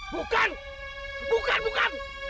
bukan bukan bukan